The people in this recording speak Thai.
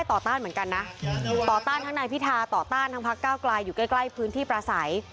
ต่อต้านทั้งพักก้าวไกลอยู่ใกล้พื้นที่ประสัย